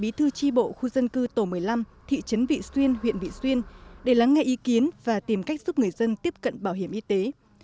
bí thư tri bộ khu dân cư tổ một mươi năm thị trấn vị xuyên huyện vị xuyên để lắng nghe ý kiến và tìm cách giúp người dân tiếp cận bảo hiểm y tế